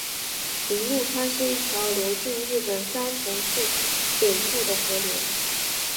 铃鹿川是一条流经日本三重县北部的河流。